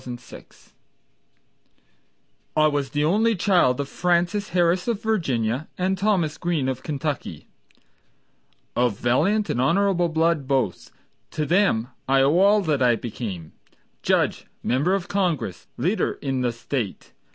Hamilton Greene I was the only child of Frances Harris of Virginia And Thomas Greene of Kentucky, Of valiant and honorable blood both. To them I owe all that I became, Judge, member of Congress, leader in the State.